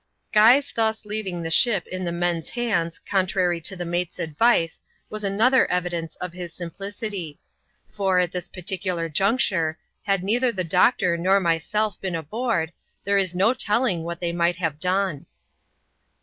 Guy's thus leaving the ship in the men's hands, contrary to the mate's advice, was another evidence of his simplicity ; for, at this particular juncture, had neither the doctor nor myself been aboard, there is no telling what they might have done.